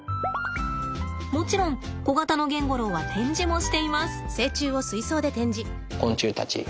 もちろんコガタノゲンゴロウは展示もしています。